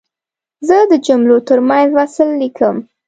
زه د جملو ترمنځ وصل لیکم.